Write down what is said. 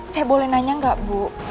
saya boleh nanya nggak bu